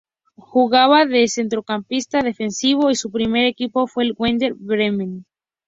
Jugaba de centrocampista defensivo y su primer equipo fue el Werder Bremen.